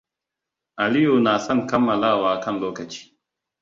Aliyu na san kammalawa kan lokaci.